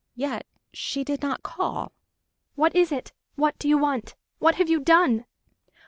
Yet she did not call! "What is it? What do you want? What have you done?"